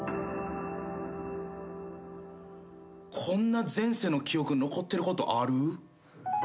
こんな前世の記憶残ってることある？